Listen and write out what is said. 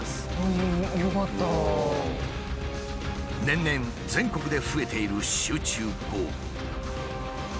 年々全国で増えている集中豪雨。